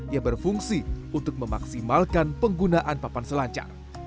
yang berfungsi untuk memaksimalkan penggunaan papan selancar